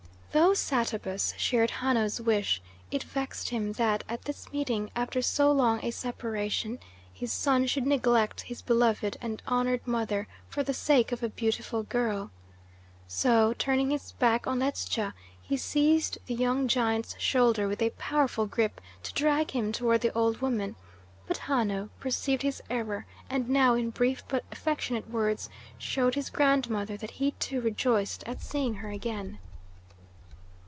Though Satabus shared Hanno's wish, it vexed him that at this meeting, after so long a separation, his son should neglect his beloved and honoured mother for the sake of a beautiful girl. So, turning his back on Ledscha, he seized the young giant's shoulder with a powerful grip to drag him toward the old woman; but Hanno perceived his error, and now, in brief but affectionate words, showed his grandmother that he, too, rejoiced at seeing her again.